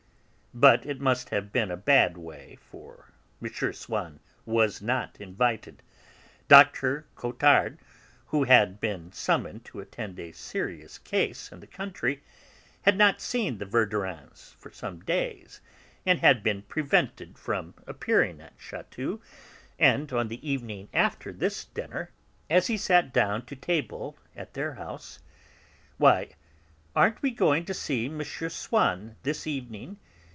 But it must have been a bad way, for M. Swann was not invited; Dr. Cottard, who, having been summoned to attend a serious case in the country, had not seen the Verdurins for some days, and had been prevented from appearing at Chatou, said, on the evening after this dinner, as he sat down to table at their house: "Why, aren't we going to see M. Swann this evening?